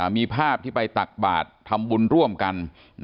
มีภาพที่ไปตักบาททำบุญร่วมกัน